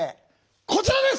こちらです！